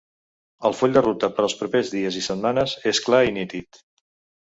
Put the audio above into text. El full de ruta per als propers dies i setmanes és clar i nítid.